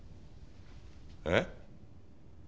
えっ？